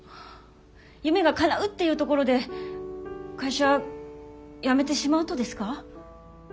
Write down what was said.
夢がかなうっていうところで会社辞めてしまうとですか？